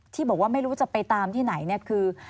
ที่บอกว่าไม่รู้จะไปตามที่ไหนเนี่ยคือ